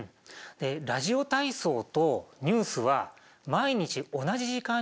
ラジオ体操とニュースは毎日同じ時間に放送されたんだ。